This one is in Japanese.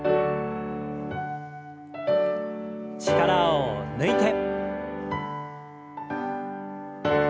力を抜いて。